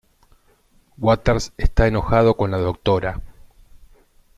Waters está enojado con la Dra.